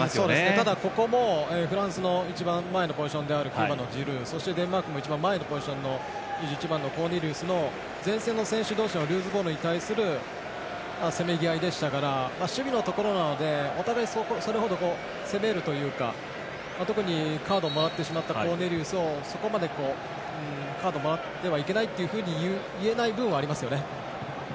ただ、ここもフランスの一番前のポジションである９番のジルー、デンマークも一番前のポジション２１番のコーネリウスの前線の選手同士のルーズボールに対するせめぎ合いでしたから守備のところなのでお互い、それほど責めるというか特にカードをもらってしまったコーネリウスをそこまでカードをもらってはいけないと言えない部分はありますよね。